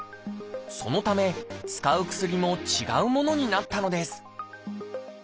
そのため使う薬も違うものになったのです